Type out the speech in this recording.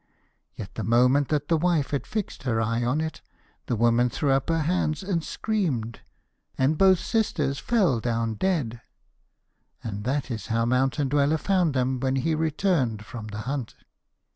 Yet the moment that the wife had fixed her eye on it, the woman threw up her hands and screamed, and both sisters fell down dead; and that is how Mountain Dweller found them when he returned from the hunt.